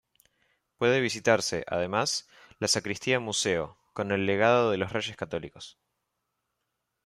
Puede visitarse, además, la Sacristía-Museo, con el legado de los Reyes Católicos.